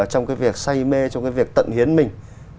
trong cái việc say mê trong cái việc tận hiến mình